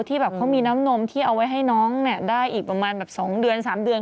ที่แบบเขามีน้ำนมที่เอาไว้ให้น้องเนี่ยได้อีกประมาณแบบสองเดือนสามเดือน